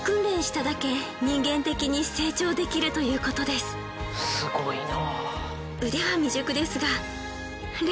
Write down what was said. すごいな。